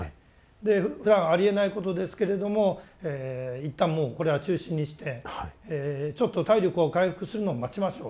でふだんありえないことですけれども一旦もうこれは中心にしてちょっと体力を回復するのを待ちましょう。